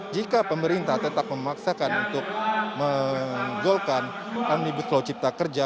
jika pemerintah tetap memaksakan untuk menggolkan omnibus law cipta kerja